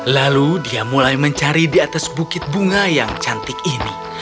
lalu dia mulai mencari di atas bukit bunga yang cantik ini